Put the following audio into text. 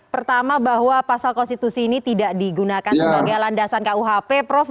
pertama bahwa pasal konstitusi ini tidak digunakan sebagai landasan kuhp prof